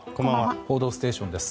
「報道ステーション」です。